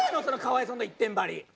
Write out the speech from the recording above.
その「かわいそう」の一点張り！